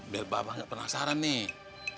biar bapak banyak penasaran nih